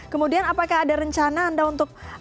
kemudian apakah ada rencana anda untuk